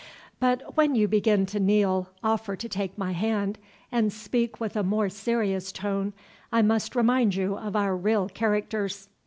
But when you begin to kneel, offer to take my hand, and speak with a more serious tone, I must remind you of our real characters.